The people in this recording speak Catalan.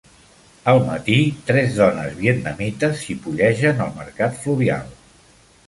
Al matí, tres dones vietnamites xipollejant al mercat fluvial.